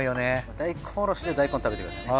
大根おろしで大根食べてくださいね。